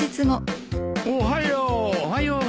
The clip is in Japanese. おはよう。